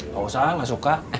gak usah gak suka